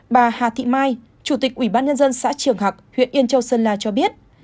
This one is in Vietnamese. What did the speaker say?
bà hà thị mai chủ tịch ủy ban nhân dân xã trường học huyện yên châu sơn la cho biết